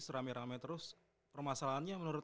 rame rame terus permasalahannya menurut